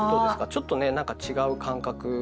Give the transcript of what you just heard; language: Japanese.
ちょっとねなんか違う感覚。